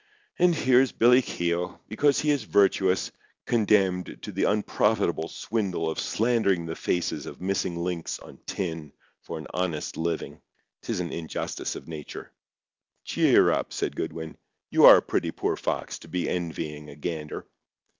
And here is Billy Keogh, because he is virtuous, condemned to the unprofitable swindle of slandering the faces of missing links on tin for an honest living! 'Tis an injustice of nature." "Cheer up," said Goodwin. "You are a pretty poor fox to be envying a gander.